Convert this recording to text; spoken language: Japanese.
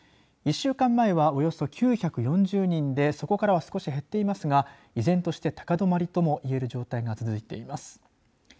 １週間前はおよそ９４０人で、そこからは少し減っていますが依然として高止まりといえる状態が続いています。